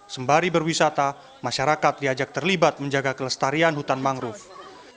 sembari berwisata masyarakat diajak terlibat menjaga kelestarian hutan mangrove